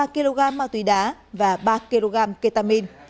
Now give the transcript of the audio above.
ba kg ma túy đá và ba kg ketamine